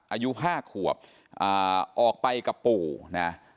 อายุ๕ขวบออกไปกับปู่นะ